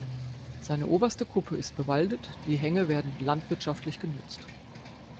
Seine oberste Kuppe ist bewaldet, die Hänge werden landwirtschaftlich genutzt.